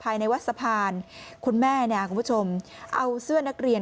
ภายในวัดสะพานคุณแม่เนี่ยคุณผู้ชมเอาเสื้อนักเรียน